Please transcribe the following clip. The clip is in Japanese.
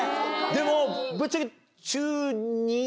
でもぶっちゃけ。